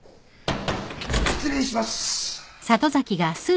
・・失礼します。